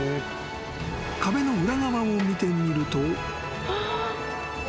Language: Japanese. ［壁の裏側を見てみると］